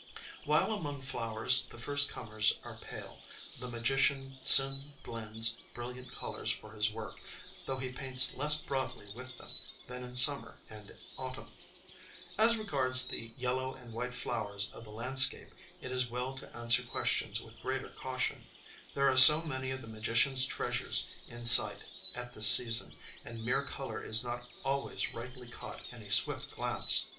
While among flowers the first comers are pale, the Magician soon blends brilliant colors for his work, though he paints less broadly with them than in summer and autumn. As regards the yel low and white flowers of the landscape, it is well to answer questions with greater caution; there are so many of the Magician's treasures in sight at this season, and mere color is not always rightly caught in a swift glance.